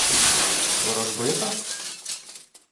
— Ворожбита?